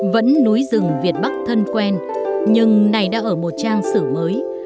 vẫn núi rừng việt bắc thân quen nhưng này đã ở một trang sử mới